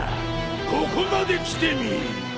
ここまで来てみい。